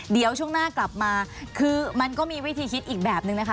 เดี๋ยวช่วงหน้ากลับมาคือมันก็มีวิธีคิดอีกแบบนึงนะคะ